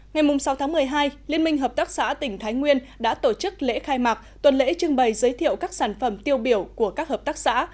ngày sáu tháng một mươi hai liên minh hợp tác xã tỉnh thái nguyên đã tổ chức lễ khai mạc tuần lễ trưng bày giới thiệu các sản phẩm tiêu biểu của các hợp tác xã